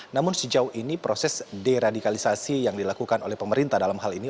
namun sejauh ini proses deradikalisasi yang dilakukan oleh pemerintah dalam hal ini